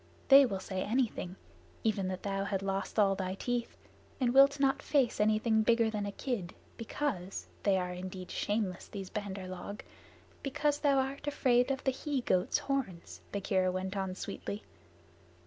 They will say anything even that thou hast lost all thy teeth, and wilt not face anything bigger than a kid, because (they are indeed shameless, these Bandar log) because thou art afraid of the he goat's horns," Bagheera went on sweetly.